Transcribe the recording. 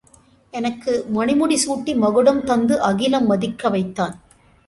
எனக்கு மணிமுடி சூட்டி மகுடம் தந்து அகிலம் மதிக்க வைத்தான்.